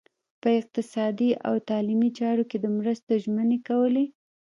په اقتصادي او تعلیمي چارو کې د مرستو ژمنې کولې.